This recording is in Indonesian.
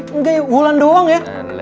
enggak ya bulan doang ya